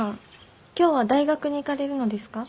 今日は大学に行かれるのですか？